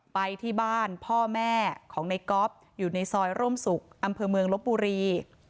ไปที่บ้านพ่อแม่ของในก๊อฟอยู่ในซอยร่มศุกร์อำเภอเมืองลบบุรี